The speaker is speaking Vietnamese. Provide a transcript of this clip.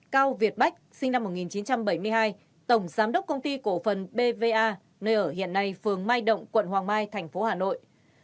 cao việt bách sinh năm một nghìn chín trăm bảy mươi hai tổng giám đốc công ty cổ phần bva nơi ở hiện nay phường mai động quận hoàng mai thành phố hà nội